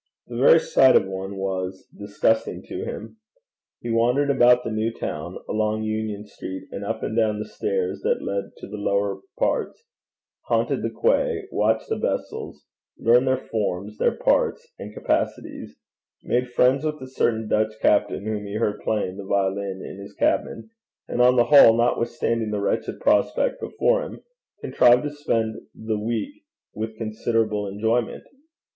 The very sight of one was disgusting to him. He wandered about the New Town, along Union Street, and up and down the stairs that led to the lower parts, haunted the quay, watched the vessels, learned their forms, their parts and capacities, made friends with a certain Dutch captain whom he heard playing the violin in his cabin, and on the whole, notwithstanding the wretched prospect before him, contrived to spend the week with considerable enjoyment.